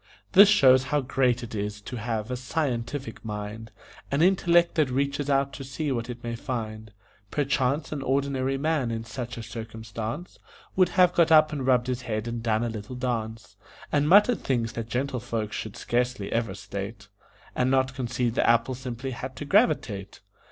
This shows how great it is to have a scientific mind An intellect that reaches out to see what it may find. Perchance an ordinary man in such a circumstance Would have got up and rubbed his head and done a little dance, And muttered things that gentle folks should scarcely ever state, And not concede the apple simply had to gravitate.